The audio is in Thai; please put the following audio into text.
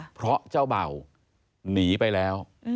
เพราะเจ้าเบ่าหนีไปแล้ว